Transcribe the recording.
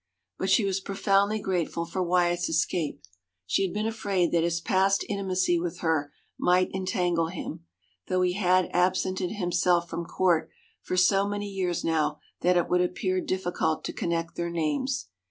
But she was profoundly grateful for Wyatt's escape; she had been afraid that his past intimacy with her might entangle him, though he had absented himself from court for so many years now that it would appear difficult to connect their names.